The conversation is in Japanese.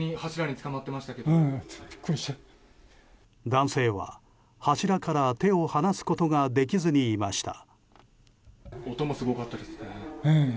男性は柱から手を離すことができずにいました。